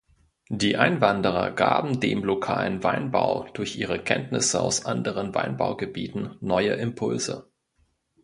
Die Einwanderer gaben dem lokalen Weinbau durch ihre Kenntnisse aus anderen Weinbaugebieten neue Impulse.